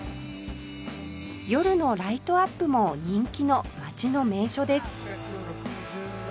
夜のライトアップも人気の街の名所です